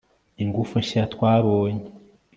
ingufu nshya twabonye